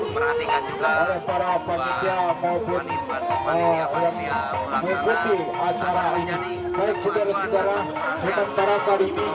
pemimpin yang berpikir akan menjadi penjagaan yang lebih maju